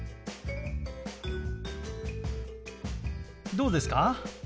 どうですか？